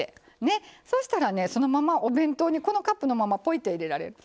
そうしたら、そのままお弁当にこのカップのままぽいって入れられる。